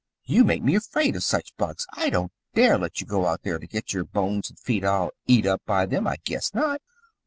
You make me afraid of such bugs. I don't dare let you go out there to get your bones and feet all eat up by them. I guess not!"